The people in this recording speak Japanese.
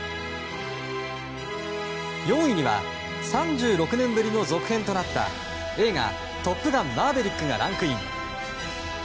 ４位には３６年ぶりの続編となった映画「トップガン・マーヴェリック」がランクイン。